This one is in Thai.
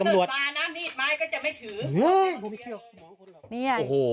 ถ้าเกิดมาน้ำมีดไม้ก็จะไม่ถือ